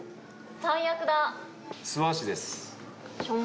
最悪だ。